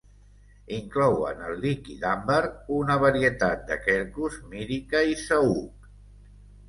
Inclouen el liquidàmbar, una varietat de quercus, myrica i saüc.